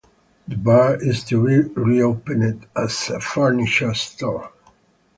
The bar is to be reopened as a furniture store.